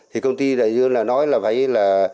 thì công ty đại dương là nói là vậy là